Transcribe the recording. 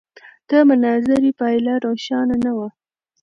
د مناظرې پایله روښانه نه وه.